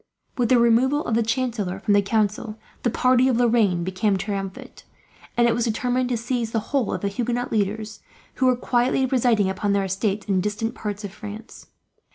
With the removal of the chancellor from the council, the party of Lorraine became triumphant; and it was determined to seize the whole of the Huguenot leaders, who were quietly residing upon their estates in distant parts of France.